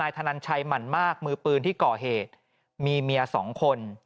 ปี๖๕วันเกิดปี๖๔ไปร่วมงานเช่นเดียวกัน